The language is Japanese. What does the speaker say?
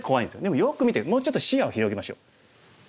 でもよく見てもうちょっと視野を広げましょう。